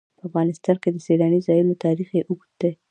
په افغانستان کې د سیلاني ځایونو تاریخ ډېر اوږد دی.